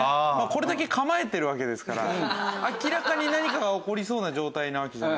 これだけ構えてるわけですから明らかに何かが起こりそうな状態なわけじゃないですか。